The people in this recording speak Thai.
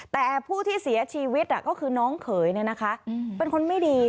แต่ผู้ที่เสียชีวิตอ่ะก็คือน้องเขยเนี่ยนะคะเป็นคนไม่ดี